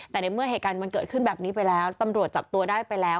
แต่ในเมื่อเหตุการณ์มันเกิดขึ้นแบบนี้ไปแล้วตำรวจจับตัวได้ไปแล้ว